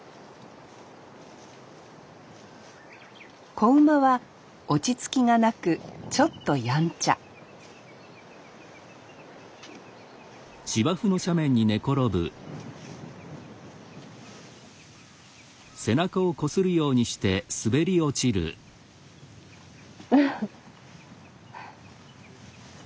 子馬は落ち着きがなくちょっとやんちゃウフッフフッ。